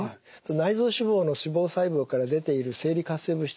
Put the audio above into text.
内臓脂肪の脂肪細胞から出ている生理活性物質